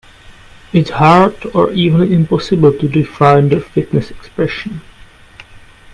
It is hard or even impossible to define the fitness expression.